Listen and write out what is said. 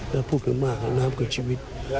แล้วพูดมากน้ำก็ชีวิต